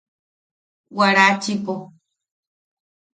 Warachipo.